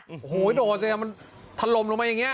โอ้โฮโดดมันทะลมลงมาแบบนี้